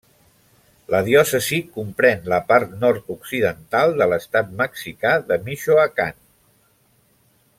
La diòcesi comprèn la part nord-occidental de l'estat mexicà de Michoacán.